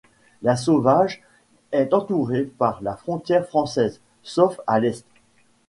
Lasauvage est entouré par la frontière française, sauf à l’est.